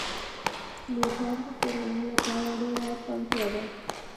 موټر د کورنۍ لپاره ډېره اسانتیا ده.